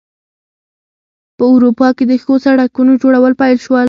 په اروپا کې د ښو سړکونو جوړول پیل شول.